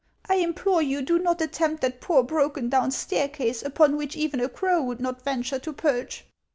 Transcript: I implore you, do not attempt that poor broken down staircase, upon which even a crow would not venture to perch."